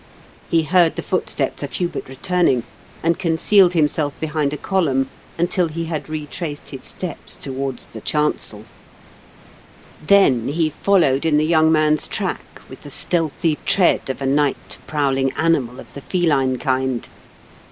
He heard the footsteps of Hubert returning, and concealed himself behind a column until he had retraced his steps towards the chancel. # 104 m KENT WITH CHABLE8 DICKENS. Then he followed in the young man's track with the stealthy tread of a night prowling animal of the feline kind.